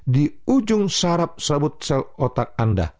di ujung sarap sabut sel otak anda